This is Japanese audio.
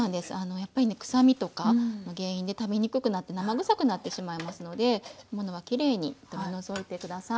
やっぱりねくさみとかの原因で食べにくくなって生臭くなってしまいますのできれいに取り除いて下さい。